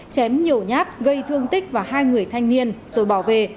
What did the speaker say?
chém nhiều nhát gây thương tích vào hai người thanh niên rồi bỏ về